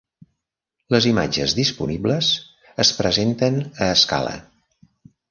Les imatges disponibles es presenten a escala.